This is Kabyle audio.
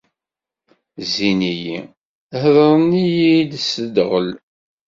Zzin-iyi, heddren-iyi-d s ddɣel.